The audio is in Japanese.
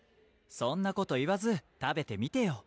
そんなこと言わず食べてみてよ